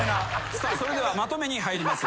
それではまとめに入ります。